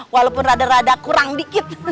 walaupun rada rada kurang dikit